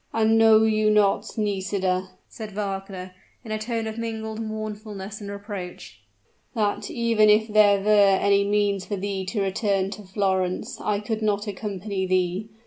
"And know you not, Nisida," said Wagner, in a tone of mingled mournfulness and reproach, "that, even if there were any means for thee to return to Florence, I could not accompany thee?